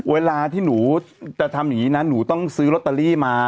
เวลาที่หนูจะทำอย่างนี้นะหนูต้องซื้อลอตเตอรี่มา